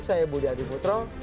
saya budi adi putro